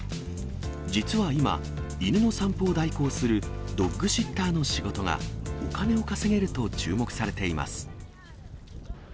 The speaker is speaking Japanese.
実は今、犬の散歩を代行するドッグシッターの仕事が、お金を稼げると注目されています。